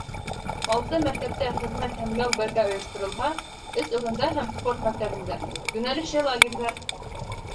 Алты мәктәптә хеҙмәт һәм ял бергә ойошторолһа, өс урында һәм спорт мәктәбендә — йүнәлешле лагерҙар.